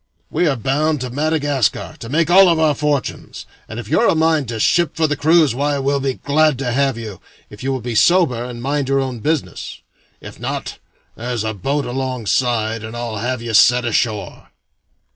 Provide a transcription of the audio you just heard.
We are bound to Madagascar, to make all of our fortunes, and if you're a mind to ship for the cruise, why, we'll be glad to have you, if you will be sober and mind your own business; if not, there is a boat alongside, and I'll have you set ashore."